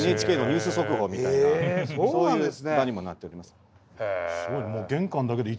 ＮＨＫのニュース速報みたいなそういう場にもなっております。